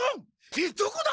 えどこだ！？